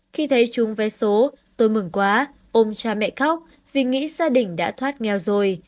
khi thấy chúng vé số tôi mừng quá ôm cha mẹ khóc vì nghĩ gia đình đã thoát nghèo rồi